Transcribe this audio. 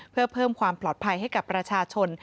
เพื่อเพิ่มความปลอดภัยให้กับประชาชน